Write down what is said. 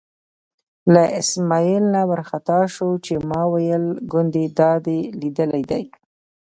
له اسمعیل نه وار خطا شو چې ما ویل ګوندې دا دې لیدلی دی.